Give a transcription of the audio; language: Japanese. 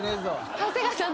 長谷川さん